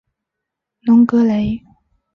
隆格雷。